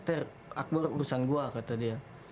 ter akbar urusan gua kata dia